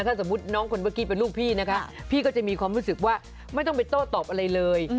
ถ้าสมมุติน้องคนเมื่อกี้เป็นลูกพี่นะคะพี่ก็จะมีความรู้สึกว่าไม่ต้องไปโต้ตอบอะไรเลย